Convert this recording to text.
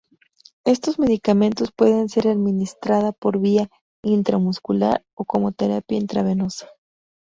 Estos medicamentos pueden ser administrada por vía intramuscular o como terapia intravenosa.